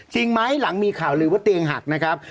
จริงไหมหลังมีข่าวลือว่าเตียงหักนะครับ